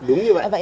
đúng như vậy